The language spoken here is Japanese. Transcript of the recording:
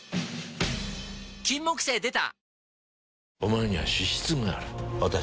金木犀でた！